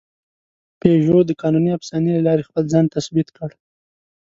پيژو د قانوني افسانې له لارې خپل ځان تثبیت کړ.